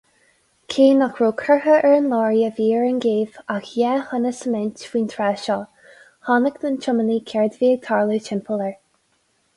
Cé nach raibh curtha ar an leoraí a bhí ar an gcéibh ach dhá thonna suimint faoin tráth seo, chonaic an tiománaí céard a bhí ag tarlú timpeall air.